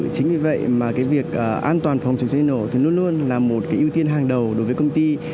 chính vì vậy mà việc an toàn phòng chữa cháy nổ luôn luôn là một ưu tiên hàng đầu đối với công ty